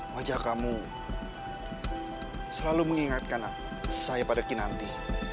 wajah kamu selalu mengingatkan saya pada kinanti